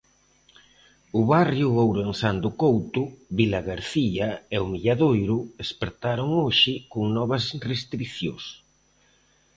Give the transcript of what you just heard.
O barrio ourensán do Couto, Vilagarcía e O Milladoiro espertaron hoxe con novas restricións.